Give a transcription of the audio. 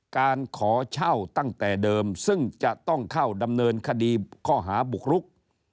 การขอเช่าตั้งแต่เดิมซึ่งจะต้องเข้าดำเนินคดีข้อหาบุกรุก